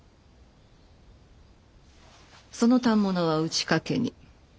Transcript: その反物は打掛に。